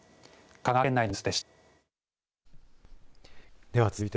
香川県内のニュースでした。